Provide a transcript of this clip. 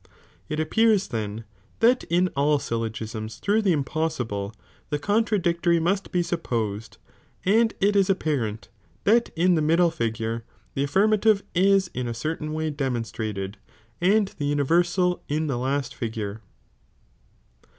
It appears then that in all syllogisms through the impossible the contradictory must be supposed, ffj" ' and it is apparent that in the middle figure the affirmative is in a certain way ^ demonstrated, and the in the laat figure.